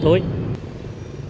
những ghi nhận